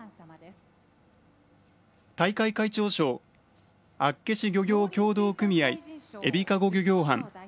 大会会長賞厚岸漁業協同組合えびかご漁業班。